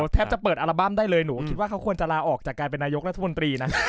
แทบจะเปิดอัลบั้มได้เลยหนูคิดว่าเขาควรจะลาออกจากการเป็นนายกรัฐมนตรีนะ